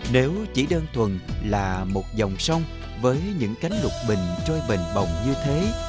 nếu chỉ đơn thuần là một dòng sông với những cánh lục bình trôi bền bồng như thế